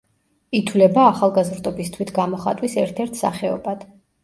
ითვლება ახალგაზრდობის თვითგამოხატვის ერთ-ერთ სახეობად.